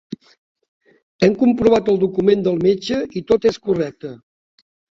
Hem comprovat el document del metge i tot és correcte.